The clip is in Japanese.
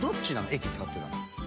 駅使ってたの」